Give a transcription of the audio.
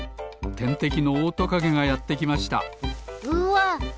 てんてきのオオトカゲがやってきましたうわ！